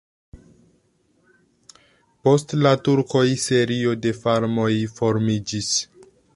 Post la turkoj serio de farmoj formiĝis.